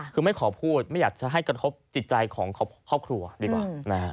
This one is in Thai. คือไม่ขอพูดไม่อยากจะให้กระทบจิตใจของครอบครัวดีกว่านะฮะ